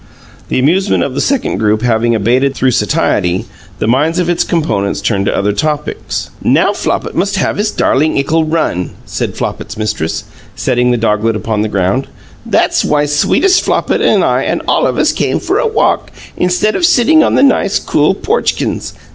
The amusement of the second group having abated through satiety, the minds of its components turned to other topics. "Now Flopit must have his darlin' 'ickle run," said Flopit's mistress, setting the doglet upon the ground. "That's why sweetest Flopit and I and all of us came for a walk, instead of sitting on the nice, cool porch kins.